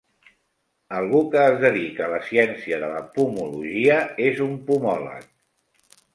Algú que es dedica a la ciència de la pomologia és un pomòleg